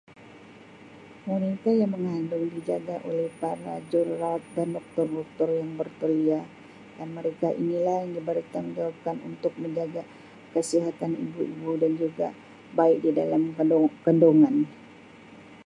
Wanita yang mengandung dijaga oleh para Jururawat dan Doktor doktor yang bertauliah dan mereka ini lah diberi tanggungjawabkan untuk menjaga kesihatan ibu-ibu dan juga bayi di dalam kandung-kandungan.